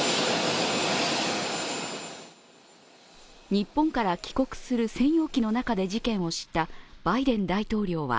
日本から帰国する専用機の中で事件を知ったバイデン大統領は